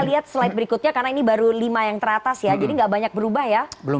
kita lihat slide berikutnya karena ini baru lima yang teratas ya jadi nggak banyak berubah ya belum